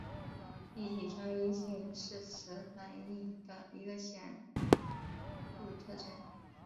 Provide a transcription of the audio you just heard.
立体专一性是此反应的一个显着特征。